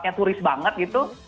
yang turis banget gitu